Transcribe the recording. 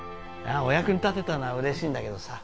お役に立てたのは嬉しいんだけどさ